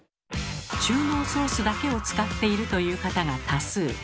中濃ソースだけを使っているという方が多数。